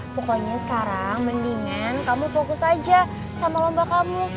pokoknya sekarang mendingan kamu fokus aja sama lomba kamu